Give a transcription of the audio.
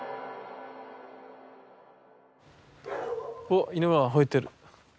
おっ犬がほえてる。